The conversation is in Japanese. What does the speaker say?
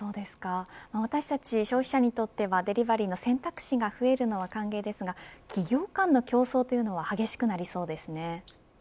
私たち消費者にとってはデリバリーの選択肢が増えるのは歓迎ですが企業間の競争というのは激しくなりそうですね。